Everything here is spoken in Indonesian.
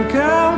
aku masih yakin